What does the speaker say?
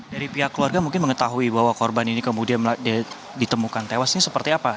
dari pihak keluarga mungkin mengetahui bahwa korban ini kemudian ditemukan tewas ini seperti apa